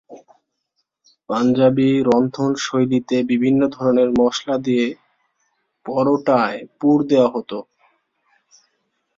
পাঞ্জাবি রন্ধনশৈলীতে বিভিন্ন ধরনের মসলা দিয়ে পরোটায় পুর দেওয়া হতো।